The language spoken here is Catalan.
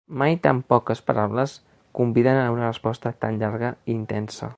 Mai tan poques paraules conviden a una resposta tan llarga i intensa.